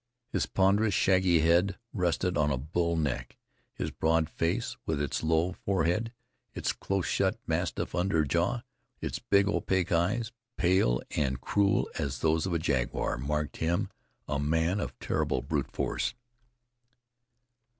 His ponderous, shaggy head rested on a bull neck. His broad face, with its low forehead, its close shut mastiff under jaw, its big, opaque eyes, pale and cruel as those of a jaguar, marked him a man of terrible brute force.